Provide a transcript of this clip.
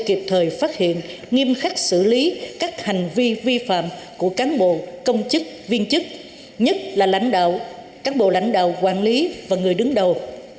kịp thời phát hiện nghiêm khắc xử lý các hành vi vi phạm của cán bộ công chức viên chức nhất là lãnh đạo cán bộ lãnh đạo quản lý và người đứng đầu